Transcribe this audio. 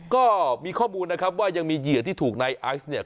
ก็มีข้อมูลนะครับว่ายังมีเหยื่อที่ถูกในไอซ์เนี่ย